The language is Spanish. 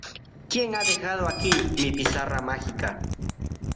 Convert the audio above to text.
¿ Quién ha dejado aquí mi pizarra mágica?